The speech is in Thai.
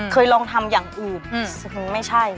เคยลองทำอย่างอื่นไม่ใช่